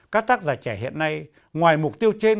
các tác giả trẻ hiện nay ngoài mục tiêu trên